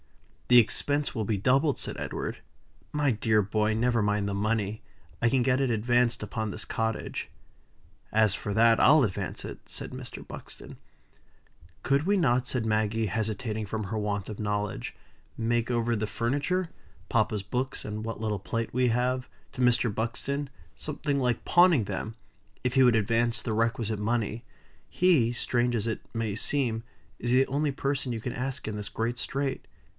"The expense will be doubled," said Edward. "My dear boy! never mind the money. I can get it advanced upon this cottage." "As for that, I'll advance it," said Mr. Buxton. "Could we not," said Maggie, hesitating from her want of knowledge, "make over the furniture papa's books, and what little plate we have, to Mr. Buxton something like pawning them if he would advance the requisite money? He, strange as it may seem, is the only person you can ask in this great strait."